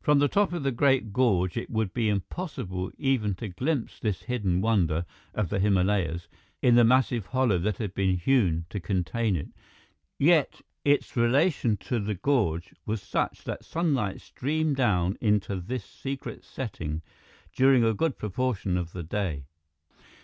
From the top of the great gorge it would be impossible even to glimpse this hidden wonder of the Himalayas in the massive hollow that had been hewn to contain it. Yet its relation to the gorge was such that sunlight streamed down into this secret setting during a good proportion of the day.